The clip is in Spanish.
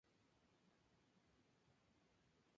El más notable era el de Ocotelulco.